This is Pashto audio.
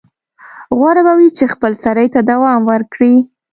غوره به وي چې خپلسرۍ ته دوام ورکړي.